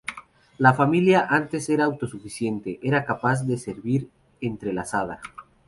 La familia que antes era autosuficiente, era capaz de servir entrelazada.